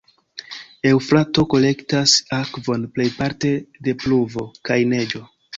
Eŭfrato kolektas akvon plejparte de pluvo kaj neĝo.